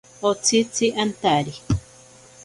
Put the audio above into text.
Otsitzi antari.